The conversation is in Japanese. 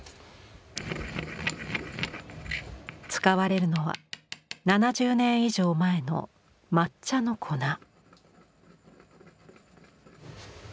使われるのは７０年以上前の抹茶の粉。